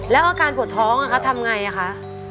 แล้วอาการปวดท้องทำยังไงค่ะ